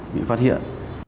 bị phát hiện